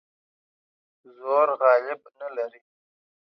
زور غالب نه لري.